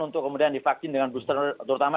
untuk kemudian divaksin dengan booster terutama